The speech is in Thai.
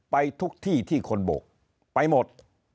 ไปทุกที่ที่คนบกไปหมด